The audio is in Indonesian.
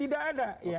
tidak ada ya